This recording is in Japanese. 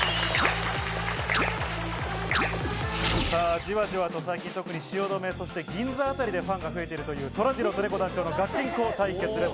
じわじわと最近、特に汐留、そして銀座あたりでファンが増えているという、そらジローとねこ団長のガチンコ対決です。